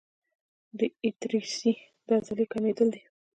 د ایټریسي د عضلې کمېدل دي.